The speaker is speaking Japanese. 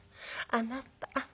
あなたっ。